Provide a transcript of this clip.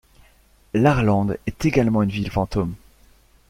Larland est également une ville fantôme.